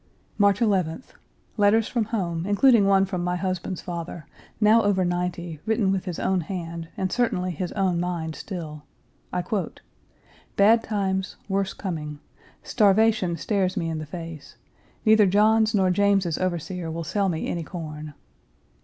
March 11th. Letters from home, including one from my husband's father, now over ninety, written with his own hand, and certainly his own mind still. I quote: "Bad times; worse coming. Starvation stares me in the face. Neither John's nor James's overseer will sell me any corn."